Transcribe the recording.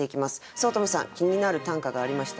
五月女さん気になる短歌がありましたらですね